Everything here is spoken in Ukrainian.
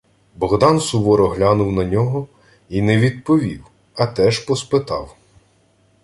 Богдан суворо глянув на нього й не відповів, а теж поспитав: